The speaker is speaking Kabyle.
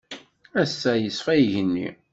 Ass-a, yeṣfa yigenni.